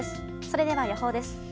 それでは予報です。